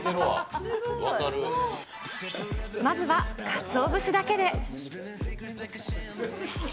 まずはかつお節だけで。